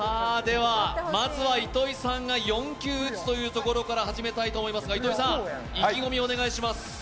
まずは糸井さんが４球打つところから始めたいと思いますが糸井さん、意気込みをお願いします。